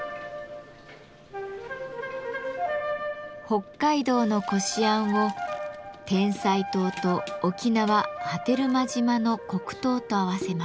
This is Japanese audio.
北海道のこしあんをてんさい糖と沖縄・波照間島の黒糖と合わせます。